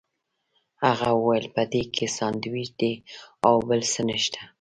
هغه وویل په دې کې ساندوېچ دي او بل څه نشته.